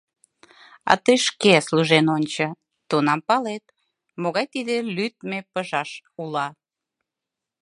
А тый шке служен ончо - тунам палет, могай тиде лӱдмӧ пыжаш - ула!